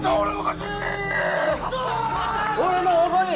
俺のおごり